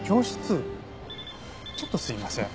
ちょっとすいません。